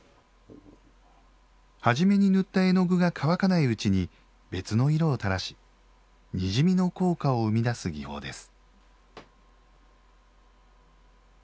初めに塗った絵の具が乾かないうちに別の色を垂らしにじみの効果を生み出す技法です